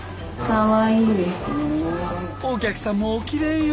お客さんもおきれいよ。